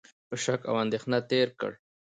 په شک او اندېښنه تېر کړ،